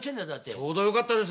ちょうどよかったです。